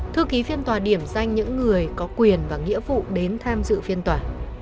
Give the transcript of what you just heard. thư ký phiên tòa điểm danh những người có quyền và nghĩa vụ đến tham dự phiên tòa